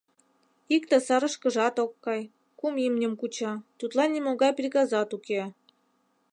Икте сарышкыжат ок кай, кум имньым куча, тудлан нимогай приказат уке.